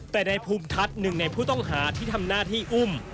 แต่นายภูมิทัศน์หนึ่งในผู้ต้องหาที่ทำหน้าที่อุ้ม